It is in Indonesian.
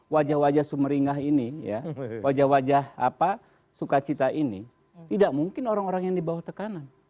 wajah wajah sumeringah ini ya wajah wajah sukacita ini tidak mungkin orang orang yang di bawah tekanan